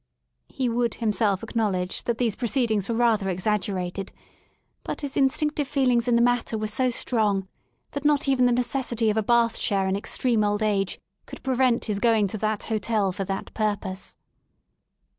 He would himself acknowledge that these proceedings were rather exaggerated, but his in stinctive feelings in the matter were so strong that not even the necessity of a bath chair in extreme old age could prevent his going to that hotel for that purpose.